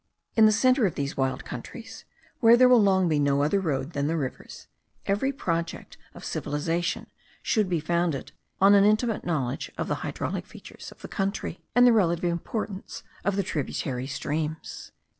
In the centre of these wild countries, where there will long be no other road than the rivers, every project of civilization should be founded on an intimate knowledge of the hydraulic features of the country, and the relative importance of the tributary streams.